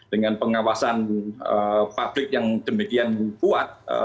dengan pengawasan publik yang demikian kuat